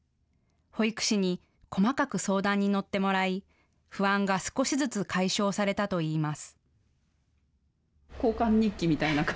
保育士に細かく相談に乗ってもらい不安が少しずつ解消されたといいます。